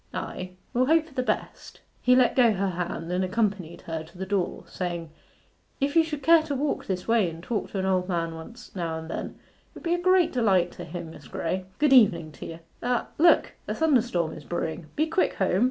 Ay, we'll hope for the best.' He let go her hand and accompanied her to the door saying, 'If you should care to walk this way and talk to an old man once now and then, it will be a great delight to him, Miss Graye. Good evening to ye.... Ah look! a thunderstorm is brewing be quick home.